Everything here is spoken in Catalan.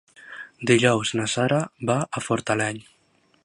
Dijous na Sara va a Fortaleny.